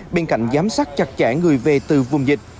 bên cạnh giám sát chặt chẽ người về từ vùng dịch